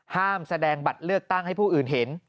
แสดงบัตรเลือกตั้งให้ผู้อื่นเห็น